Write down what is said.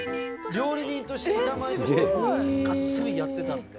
料理人として板前としてがっつりやってたんで。